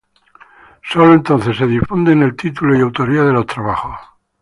Solo entonces se difunden el título y autoría de los trabajos.